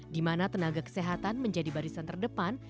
di mana tenaga kesehatan menjadi barisan terdepan